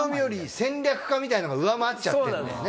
みたいなのが上回っちゃってるんですね。